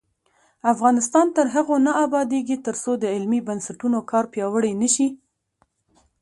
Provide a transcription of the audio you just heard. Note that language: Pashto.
افغانستان تر هغو نه ابادیږي، ترڅو د علمي بنسټونو کار پیاوړی نشي.